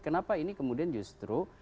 kenapa ini kemudian justru